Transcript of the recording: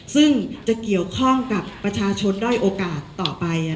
ซึ่งจะเกี่ยวข้องกับประชาชนด้อยโอกาสต่อไป